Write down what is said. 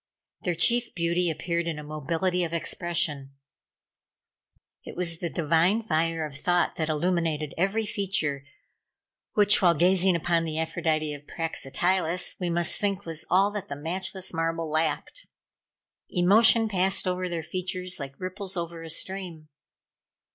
Their chief beauty appeared in a mobility of expression. It was the divine fire of Thought that illumined every feature, which, while gazing upon the Aphrodite of Praxitiles, we must think was all that the matchless marble lacked. Emotion passed over their features like ripples over a stream.